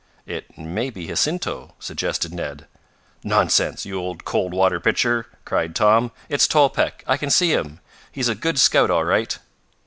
"It may be Jacinto," suggested Ned. "Nonsense! you old cold water pitcher!" cried Tom. "It's Tolpec! I can see him! He's a good scout all right!"